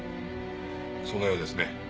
そのようですね。